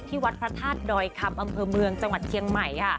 วัดพระธาตุดอยคำอำเภอเมืองจังหวัดเชียงใหม่ค่ะ